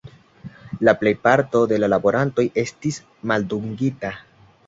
La plejparto de la laborantoj estis maldungita.